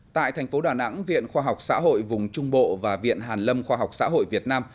tại thành phố đà nẵng viện khoa học xã hội vùng trung bộ và viện hàn lâm khoa học xã hội việt nam